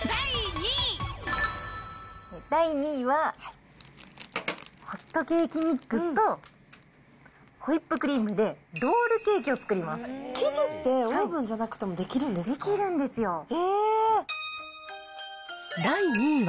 第２位は、ホットケーキミックスとホイップクリームで、ロールケーキを作り生地って、オーブンじゃなくても出来るんですか。